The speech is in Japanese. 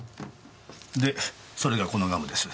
でそれがこのガムです。